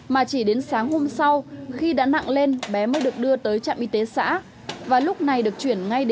mà chỉ đến sáng hôm sau khi đã nặng lên bé mới được đưa tới trạm y tế xã và lúc này được chuyển ngay